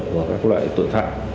của các loại tội phạm